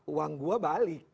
nah uang gua balik